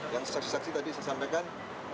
yang saksi saksi tadi saya sampaikan